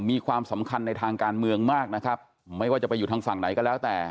มีความสำคัญในทางการเมืองมากนะครับไม่ว่าจะไปอยู่ทางฝั่งไหนก็แล้วแต่